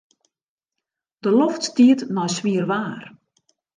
De loft stiet nei swier waar.